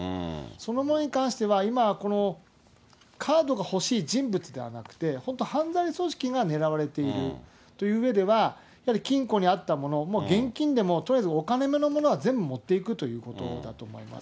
そのものに関しては、今はカードが欲しい人物ではなくて、本当、犯罪組織が狙われているといううえでは、やはり金庫にあったもの、現金で、もうとりあえず金目のものは全部持っていくということだと思います。